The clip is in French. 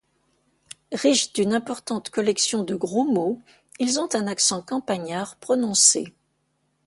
Riches d'une importante collection de gros mots, ils ont un accent campagnard prononcé.